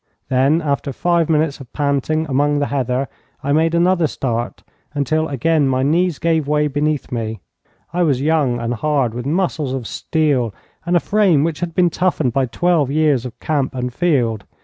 Then, after five minutes of panting among the heather, I made another start, until again my knees gave way beneath me. I was young and hard, with muscles of steel, and a frame which had been toughened by twelve years of camp and field.